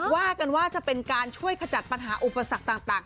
ว่ากันว่าจะเป็นการช่วยขจัดปัญหาอุปสรรคต่าง